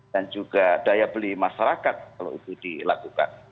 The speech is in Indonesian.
dan juga daya beli masyarakat kalau itu dilakukan